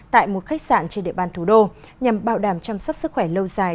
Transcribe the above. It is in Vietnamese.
tại một khách sạn trên địa bàn thủ đô nhằm bảo đảm chăm sóc sức khỏe lâu dài